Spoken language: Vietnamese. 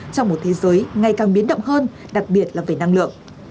trong một thế giới ngày càng biến động hơn đặc biệt là về năng lượng